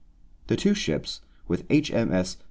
The two ships, with H.M.S.